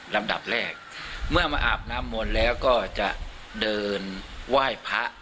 ลำดับแรกเมื่อมาอาบน้ำมนต์แล้วก็จะเดินไหว้พระ